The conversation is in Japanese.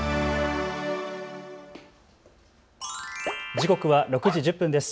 時刻は６時１０分です。